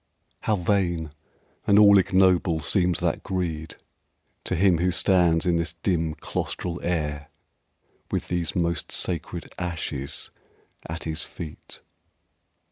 How vain and all ignoble seems that greed To him who stands in this dim claustral air With these most sacred ashes at his feet!